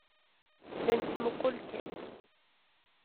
La nettmuqqul kan.